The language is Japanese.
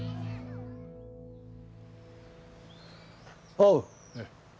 おう！